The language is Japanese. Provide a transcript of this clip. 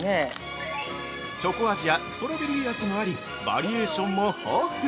◆チョコ味やストロベリー味もありバリエーションも豊富。